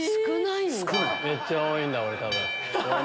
めっちゃ多いんだ俺多分。